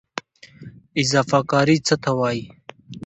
اضافه کاري څه ته وایي؟